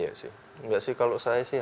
iya sih enggak sih kalau saya sih